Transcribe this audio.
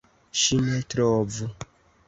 Ŝi ne trovu!